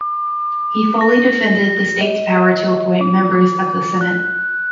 He fully defended the state's' power to appoint members of the senate.